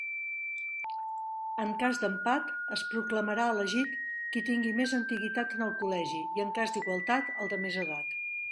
En cas d'empat, es proclamarà elegit qui tingui més antiguitat en el Col·legi i en cas d'igualtat, el de més edat.